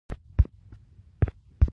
دا ضروري ده چې هغه جوړه وکړي.